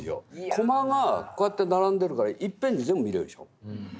コマがこうやって並んでるからいっぺんに全部見れるでしょ。